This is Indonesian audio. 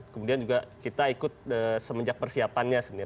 kemudian juga kita ikut semenjak persiapannya sebenarnya